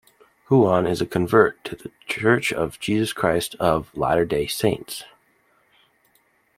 Huon is a convert to The Church of Jesus Christ of Latter-day Saints.